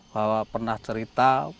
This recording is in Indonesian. bahwa pernah cerita